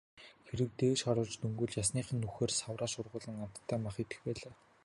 Хэрэв дээш харуулж дөнгөвөл ясных нь нүхээр савраа шургуулан амттай мах идэх байлаа.